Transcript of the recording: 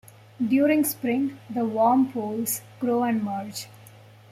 During spring, the warm pools grow and merge.